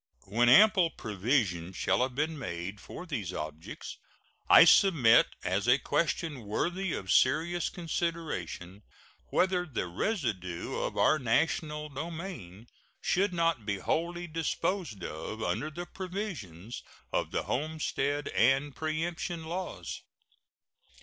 When ample provision shall have been made for these objects, I submit as a question worthy of serious consideration whether the residue of our national domain should not be wholly disposed of under the provisions of the homestead and preemption laws.